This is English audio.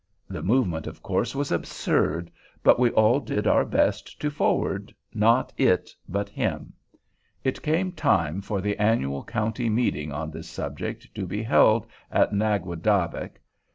The movement, of course, was absurd; but we all did our best to forward, not it, but him. It came time for the annual county meeting on this subject to be held at Naguadavick.